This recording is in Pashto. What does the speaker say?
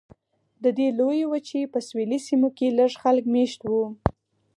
د دې لویې وچې په سویلي سیمو کې لږ خلک مېشت وو.